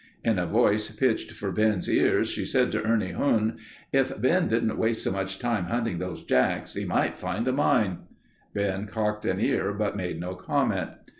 In a voice pitched for Ben's ears, she said to Ernie Huhn: "If Ben didn't waste so much time hunting those jacks, he might find a mine." Ben cocked an ear, but made no comment.